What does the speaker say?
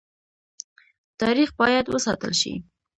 تاریخ باید وساتل شي